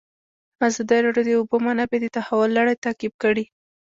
ازادي راډیو د د اوبو منابع د تحول لړۍ تعقیب کړې.